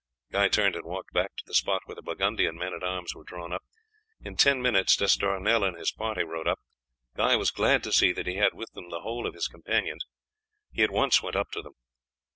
Guy turned and walked back to the spot where the Burgundian men at arms were drawn up. In ten minutes D'Estournel and his party rode up. Guy was glad to see that he had with him the whole of his companions. He at once went up to them.